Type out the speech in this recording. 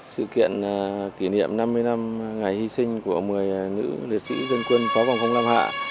sự kiện kỷ niệm năm mươi năm ngày hy sinh của một mươi nữ liệt sĩ dân quân phó vòng không lam hạ